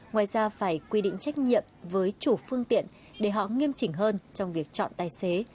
ngoài ra phải quy định trách nhiệm với chủ phương tiện để họ nghiêm chỉnh hơn trong việc chọn tài xế